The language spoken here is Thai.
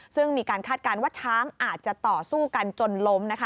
ซึ่งมีการคาดการณ์ว่าช้างอาจจะต่อสู้กันจนล้ม